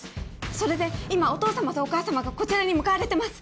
それで今お父様とお母様がこちらに向かわれてます。